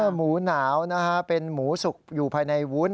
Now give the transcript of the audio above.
หมูหนาวนะฮะเป็นหมูสุกอยู่ภายในวุ้น